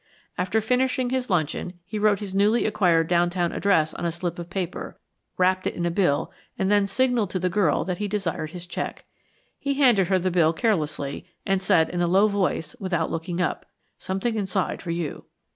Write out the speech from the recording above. After finishing his luncheon he wrote his newly acquired downtown address on a slip of paper, wrapped it in a bill, and then signaled to the girl that he desired his check. He handed her the bill carelessly, and said in a low voice, without looking up, "Something inside for you."